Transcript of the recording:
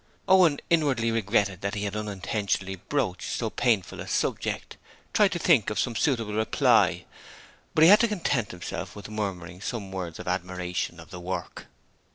Owen, inwardly regretting that he had unintentionally broached so painful a subject, tried to think of some suitable reply, but had to content himself with murmuring some words of admiration of the work.